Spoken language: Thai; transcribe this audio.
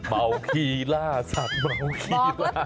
เบาคีร่าสัตว์เบาคีร่าสัตว์